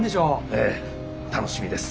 ええ楽しみです。